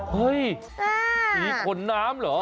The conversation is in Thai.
เฮ้ยผีขนน้ำเหรอ